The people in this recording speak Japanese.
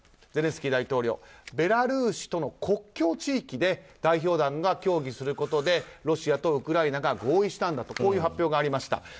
ゼレンスキー大統領ベラルーシとの国境地域で代表団が協議することでロシアとウクライナが合意したんだと発表がありました。